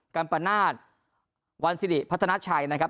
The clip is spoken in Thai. ัมปนาศวันสิริพัฒนาชัยนะครับ